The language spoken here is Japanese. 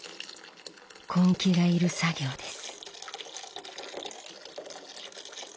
根気がいる作業です。